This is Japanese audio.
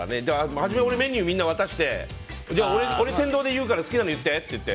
初め俺メニューみんなに渡して俺、先導で言うから好きなの言ってって言って。